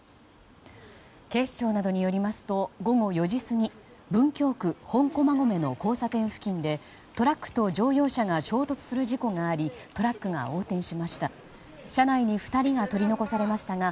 警視庁などによりますと午後４時過ぎ文京区本駒込の交差点付近でトラックと乗用車が衝突する事故がありトラックが横転しました。